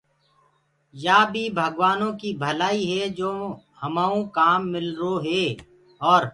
يآ بيٚ ڀگوآنو ڪيٚ ڀلآئيٚ هي جو همآئونٚ ڪآم ملروئي اور